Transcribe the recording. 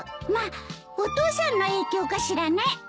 まあお父さんの影響かしらね？